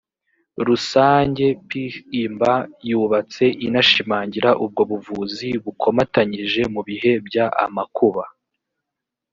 rusange pih imb yubatse inashimangira ubwo buvuzi bukomatanyije mu bihe by amakuba